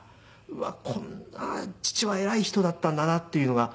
うわこんな父は偉い人だったんだなっていうのが。